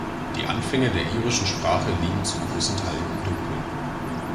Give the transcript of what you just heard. Die Anfänge der irischen Sprache liegen zu großen Teilen im Dunkeln.